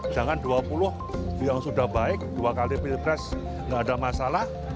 jangan dua puluh yang sudah baik dua kali pilpres nggak ada masalah